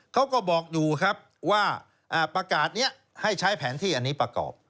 เขาก็บอกดูครับว่าประกาศนี้ให้ใช้แผนที่อันนี้ประกอบ